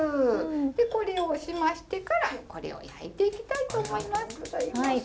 これをしましてからこれを焼いていきたいと思います。